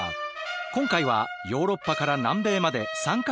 今回はヨーロッパから南米まで３か国を巡る。